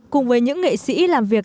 cùng với những nghệ sĩ làm việc